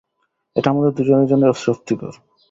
এটা আমাদের দুজনের জন্যই অস্বস্তিকর।